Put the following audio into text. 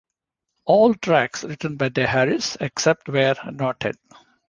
All tracks written by De Harriss except where noted.